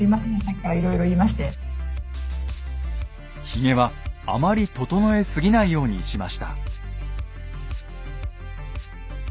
ひげはあまり整えすぎないようにしました。